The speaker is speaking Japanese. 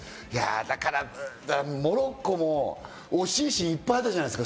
だからモロッコも惜しいシーン、いっぱいあったじゃないですか。